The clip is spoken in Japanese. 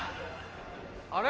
あれ？